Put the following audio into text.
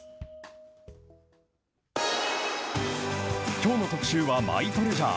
きょうの特集はマイトレジャー。